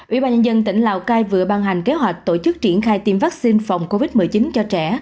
ủy ban nhân dân tỉnh lào cai vừa ban hành kế hoạch tổ chức triển khai tiêm vaccine phòng covid một mươi chín cho trẻ